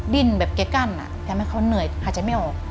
ดิ้นแบบแกกั้นทำให้เขาเหนื่อยหายใจไม่ออก